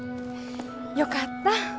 よかった。